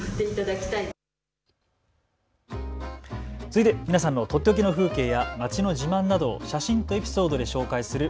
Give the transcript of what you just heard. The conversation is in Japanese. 続いて皆さんのとっておきの風景や街の自慢などを写真とエピソードで紹介する＃